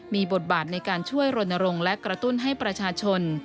มีบทบาทในการช่วยรณรงค์และกระตุ้นให้ประชาชน